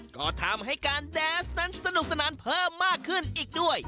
ก็ทำให้การแดนส์นั้นสนุกสนานเพิ่มมากขึ้นอีกด้วย